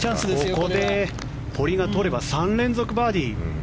ここで堀が取れば３連続バーディー。